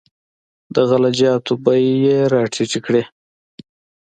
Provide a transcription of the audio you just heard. د غله جاتو بیې یې راټیټې کړې.